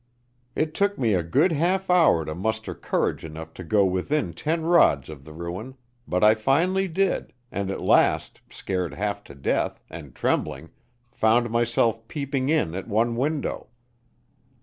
It took me a good half hour to muster courage enough to go within ten rods of the ruin, but I finally did, and at last, scared half to death, and trembling, found myself peeping in at one window.